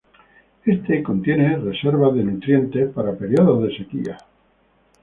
Este contiene reservas de nutrientes para periodos de sequía.